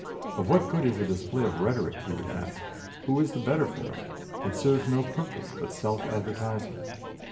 "Of what good is a display of rhetoric?" he would ask; "who is the better for it? It serves no purpose but self advertisement."